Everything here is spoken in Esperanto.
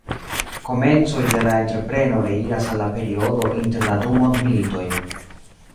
Komencoj de la entrepreno reiras al la periodo inter la du mondmilitoj.